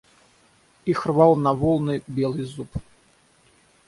Их рвал на волны белый зуб.